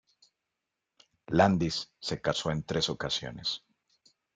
Landis se casó en tres ocasiones.